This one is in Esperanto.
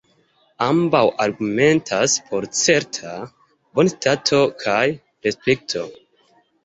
Ambaŭ argumentas por certa bonstato kaj respekto.